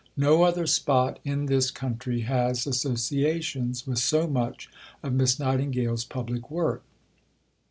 No other spot, in this country, has associations with so much of Miss Nightingale's public work.